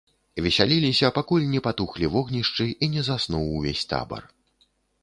Весяліліся, пакуль не патухлі вогнішчы і не заснуў увесь табар.